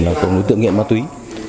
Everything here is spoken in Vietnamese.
đặc điểm là đối tượng nghiện ma túy